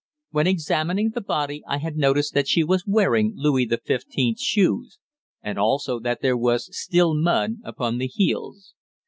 When examining the body I had noticed that she was wearing Louis XV. shoes, and also that there was still mud upon the heels.